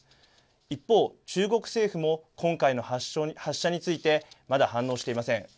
一方、中国政府も今回の発射について、まだ反応していません。